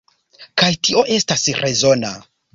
Kaj tio estas rezona.